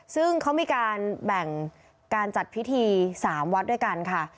ซึ่งเขามีการแบ่งการจัดพิธี๓วัดด้วยกันค่ะ